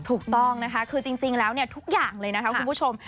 ถูกต้องนะคะคือจริงแล้วทุกอย่างเลยนะคะคุณผู้ชม